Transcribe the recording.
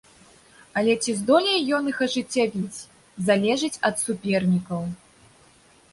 Але ці здолее ён іх ажыццявіць, залежыць ад супернікаў.